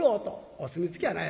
「お墨付きやない。